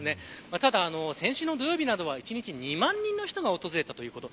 ただ、先週の土曜日などは１日２万人の人が訪れたということ。